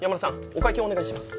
お会計お願いします。